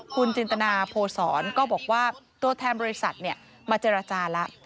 คุณจินตนาโพศรก็บอกว่าตัวแทนบริษัทมาเจรจาแล้ว